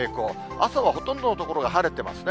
朝はほとんどの所が晴れてますね。